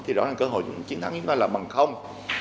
thì rõ ràng cơ hội chiến thắng chúng ta là bằng không